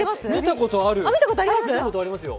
見たことありますよ。